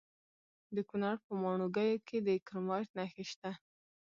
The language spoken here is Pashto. د کونړ په ماڼوګي کې د کرومایټ نښې شته.